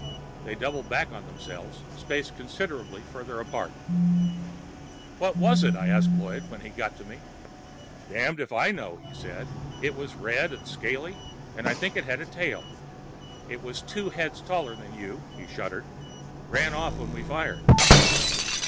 They doubled back on themselves, spaced considerably farther apart. "What was it?" I asked Lloyd when he got to me. "Damned if I know," he said. "It was red and scaly, and I think it had a tail. It was two heads taller than you." He shuddered. "Ran off when we fired."